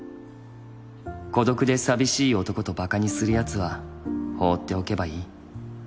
孤独で寂しい男とバカにするヤツは放っておけばいい。